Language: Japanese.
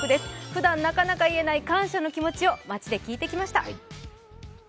ふだんなかなか言えない感謝の気持ちを街で聞いてきました。